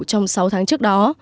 trong sáu tháng trước đó